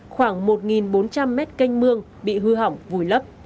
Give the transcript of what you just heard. khoảng một bốn trăm linh mét canh mương bị hư hỏng vùi lấp